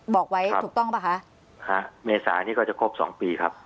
บอกไว้ถูกต้องป่ะคะเมษานี้ก็จะครบสองปีครับ